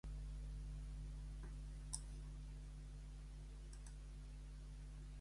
Quina festivitat anhela la senyora Quima?